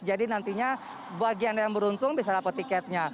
jadi nantinya bagi anda yang beruntung bisa dapat tiketnya